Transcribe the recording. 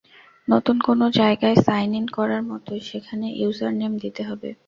নতুন কোনো জায়গায় সাইন ইন করার মতোই সেখানে ইউজার নেম দিতে হবে।